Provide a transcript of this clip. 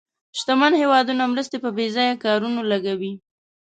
شتمن هېوادونه مرستې په بې ځایه کارونو لګوي.